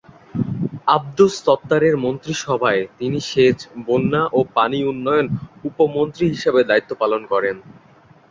আবদুস সাত্তারের মন্ত্রিসভায় তিনি সেচ, বন্যা ও পানি উন্নয়ন উপমন্ত্রী হিসেবে দায়িত্ব পালন করেন।